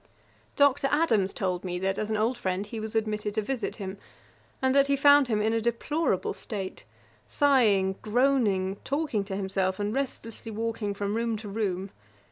Dr. Adams told me, that as an old friend he was admitted to visit him, and that he found him in a deplorable state, sighing, groaning, talking to himself, and restlessly walking from room to room.